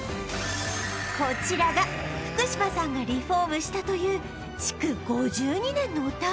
こちらが福島さんがリフォームしたという築５２年のお宅